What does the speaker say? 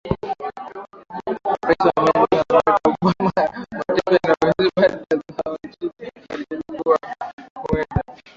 ais wa marekani barack obama aonya mataifa yanayosafirisha bidhaa zao nchini marekani kuwa huenda